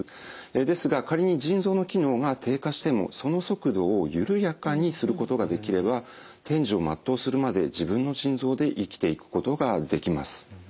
ですが仮に腎臓の機能が低下してもその速度を緩やかにすることができれば天寿を全うするまで自分の腎臓で生きていくことができます。